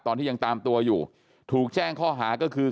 ตอนที่ยังตามตัวอยู่ถูกแจ้งข้อหาก็คือ